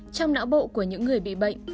trong não bộ của những người bị bệnh